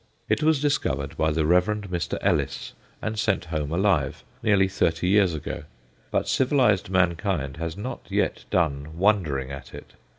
It was discovered by the Rev. Mr. Ellis, and sent home alive, nearly thirty years ago; but civilized mankind has not yet done wondering at it.